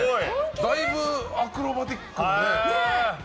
だいぶアクロバティックで。